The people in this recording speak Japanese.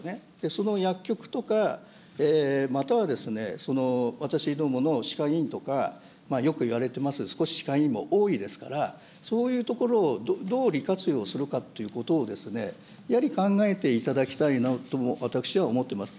その薬局とか、または私どもの歯科医院とか、よくいわれております、少し歯科医院も多いですから、そういうところをどう利活用するかということを、やはり考えていただきたいなとも私は思ってます。